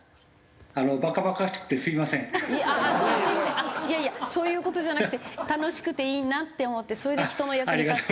あっいやいやそういう事じゃなくて楽しくていいなって思ってそれで人の役に立ってるんですもんね。